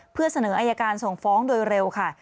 เพื่อเสนออายการส่งฟ้องโดยเร็วค่ะ